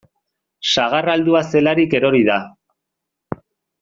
Sagarra heldua zelarik erori da.